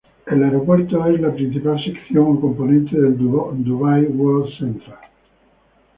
El aeropuerto es la principal sección o componente del Dubai World Central.